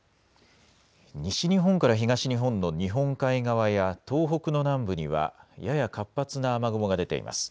西日本から東日本の日本海側や東北の南部にはやや活発な雨雲が出ています。